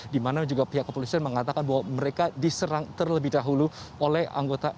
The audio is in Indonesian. di mana juga pihak kepolisian mengatakan bahwa mereka diserang terlebih dahulu oleh anggota